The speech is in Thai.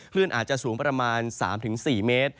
คลื่นอาจจะสูงประมาณ๓๔เมตร